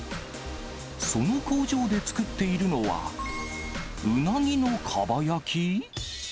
その工場で作っているのは、うなぎのかば焼き？